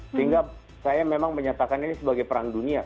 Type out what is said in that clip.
sehingga saya memang menyatakan ini sebagai perang dunia